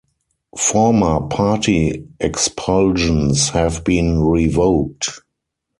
Former party expulsions have been revoked.